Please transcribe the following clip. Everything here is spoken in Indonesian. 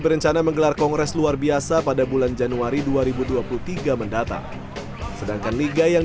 berencana menggelar kongres luar biasa pada bulan januari dua ribu dua puluh tiga mendatang sedangkan liga yang